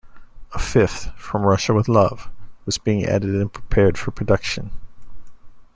A fifth, "From Russia, with Love", was being edited and prepared for production.